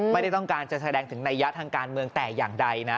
ไม่ได้ต้องการจะแสดงถึงนัยยะทางการเมืองแต่อย่างใดนะ